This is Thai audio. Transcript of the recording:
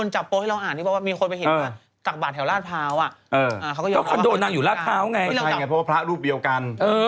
ใช่ไงเพราะว่าพระรูปเดียวกัน